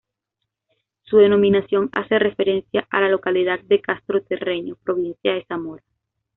Su denominación hace referencia a la localidad de Castro-Terreño, provincia de Zamora.